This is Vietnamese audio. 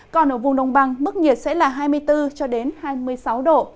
còn ở vùng đông băng mức nhiệt sẽ là hai mươi bốn hai mươi sáu độ